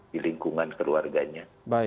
di lingkungan keluarganya